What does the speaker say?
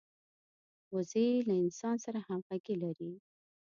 وزې له انسان سره همږغي لري